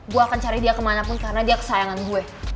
gue akan cari dia kemanapun karena dia kesayangan gue